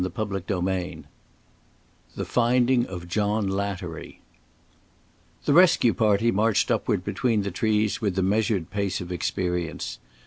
CHAPTER III THE FINDING OF JOHN LATTERY The rescue party marched upward between the trees with the measured pace of experience.